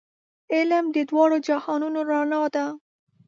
علم د دواړو جهانونو رڼا ده.